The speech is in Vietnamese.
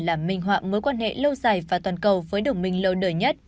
làm minh họa mối quan hệ lâu dài và toàn cầu với đồng minh lâu đời nhất